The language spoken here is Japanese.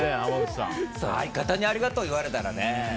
相方にありがとう言われたらね。